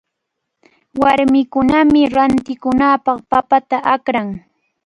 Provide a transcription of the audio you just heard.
Warmikunami rantikunanpaq papata akran.